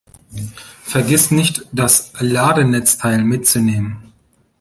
Vergiss nicht das Ladenetzteil mitzunehmen!